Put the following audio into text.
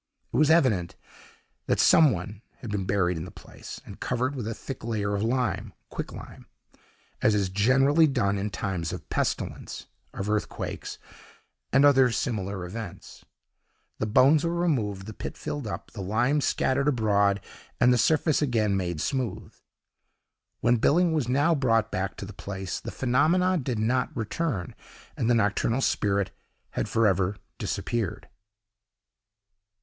It was evident that some one had been buried in the place, and covered with a thick layer of lime (quicklime), as is generally done in times of pestilence, of earthquakes, and other similar events. The bones were removed, the pit filled up, the lime scattered abroad, and the surface again made smooth. When Billing was now brought back to the place, the phenomena did not return, and the nocturnal spirit had for ever disappeared.